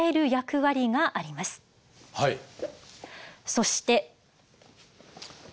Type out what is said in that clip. そして。